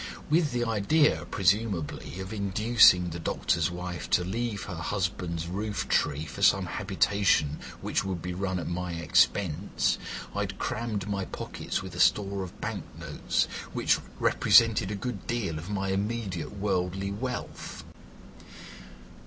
With the idea, presumably, of inducing the doctor's wife to leave her husband's roof tree for some habitation which would be run at my expense, I had crammed my pockets with a store of banknotes, which represented a good deal of my immediate worldly wealth.